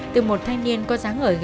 từ một thanh niên có giá ngợi vài đồng